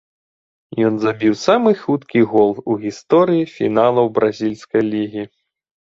Ён забіў самы хуткі гол у гісторыі фіналаў бразільскай лігі.